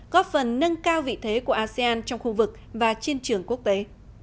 góp phần nâng cao vị thế của asean trong khu vực và trên trường quốc tế